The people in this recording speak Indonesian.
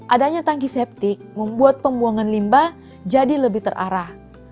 adanya tanki septic membuat pembuangan limba jadi lebih terarah